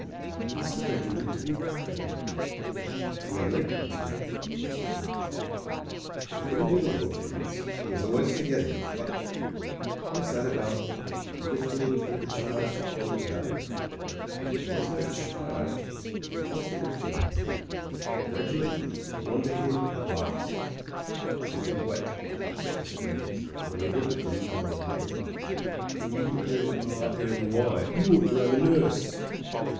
"I wants the regiment to be proud of me — and then they calls me the Company Idiot." He couldn't do the little things — ^he was always forgetting, but ...! What was that about "lifting 'em through the charge that won the day" ? There was no charge, but there was the regiment. And the regiment was 70 MEN, WOMEN AND QUNS wanting hhn at last. Something wet touched his fin gers, and when he looked at them, they were red. "B A R M Y. You ought to 'ave a nurse.